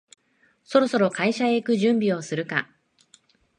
そろそろ会社へ行く準備をするか